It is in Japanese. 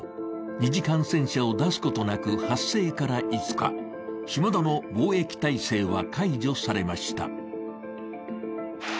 ２次感染者を出すことなく発生から５日、下田の防疫体制は解除されました。